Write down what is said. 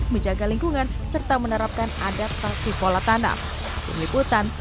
menjaga lingkungan serta menerapkan adaptasi pola tanam